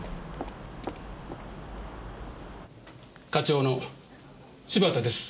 課長の柴田です。